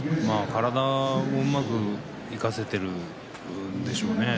体をうまく生かせているんでしょうね。